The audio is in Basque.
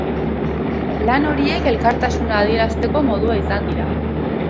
Lan horiek elkartasuna adierazteko modua izan dira.